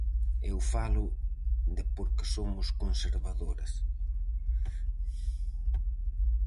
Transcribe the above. Eu falo de por que somos conservadores.